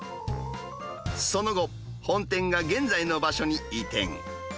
その後、本店が現在の場所に移転。